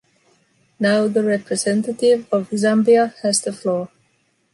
Now the representative of Zambia has the floor.